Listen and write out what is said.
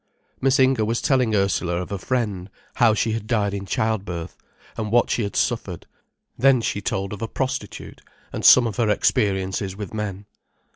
Miss Inger was telling Ursula of a friend, how she had died in childbirth, and what she had suffered; then she told of a prostitute, and of some of her experiences with men.